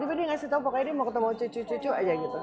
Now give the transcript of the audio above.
tiba dia ngasih tau pokoknya dia mau ketemu cucu cucu aja gitu